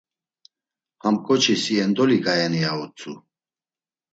Ham koçi si endoli gayeni? ya utzu.